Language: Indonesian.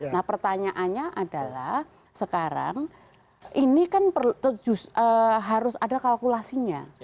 nah pertanyaannya adalah sekarang ini kan harus ada kalkulasinya